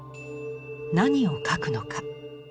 「何を描くのか？」。